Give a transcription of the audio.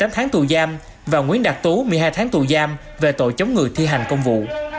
một mươi tháng tù giam và nguyễn đạt tú một mươi hai tháng tù giam về tội chống người thi hành công vụ